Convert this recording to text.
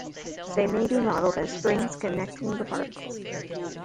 They may be modeled as springs connecting the particles.